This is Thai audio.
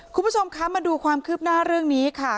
คุณผู้ชมคะมาดูความคืบหน้าเรื่องนี้ค่ะ